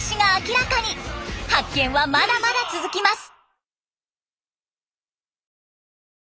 発見はまだまだ続きます！